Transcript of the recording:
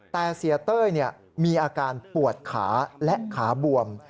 แต่เสียเต้ยมีอาการปวดขาและขาบวม